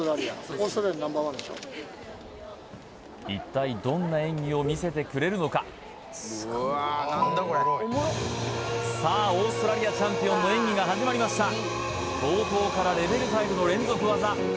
一体どんな演技を見せてくれるのかさあオーストラリアチャンピオンの演技が始まりました冒頭からレベル５の連続技